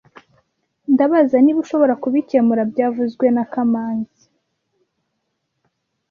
Ndabaza niba ushobora kubikemura byavuzwe na kamanzi